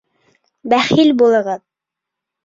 Бәхил булығыҙ!